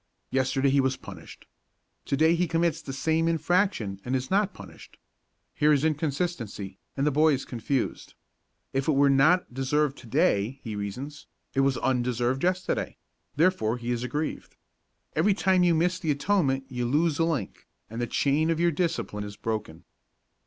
Yesterday he was punished. To day he commits the same infraction and is not punished. Here is inconsistency and the boy is confused. If it were not deserved to day, he reasons, it was undeserved yesterday; therefore, he is aggrieved. Every time you miss the atonement you lose a link, and the chain of your discipline is broken.